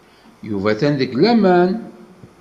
Yuba atan deg laman.